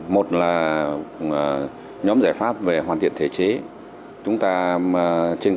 một là nhóm giải pháp về hoàn thiện thể chế